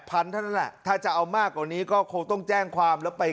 ๘๐๐๐บาทถ้าจะเอามากกว่านี้ก็คงต้องแจ้งความแล้วไป